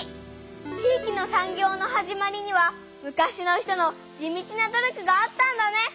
地域の産業の始まりには昔の人の地道な努力があったんだね！